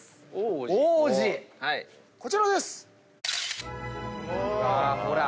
こちらです！